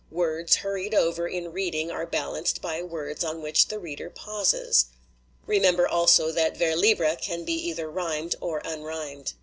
Words hurried over in reading are bal anced by words on which the reader pauses. Remember, also, that vers libre can be either rhymed or unrhymed."